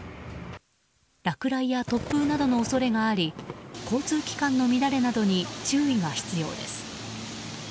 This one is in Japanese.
落雷や突風などの恐れがあり交通機関の乱れなどに注意が必要です。